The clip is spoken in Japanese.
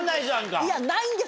いやないんです！